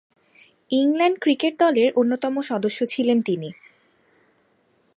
England cricket দলের অন্যতম সদস্য ছিলেন তিনি।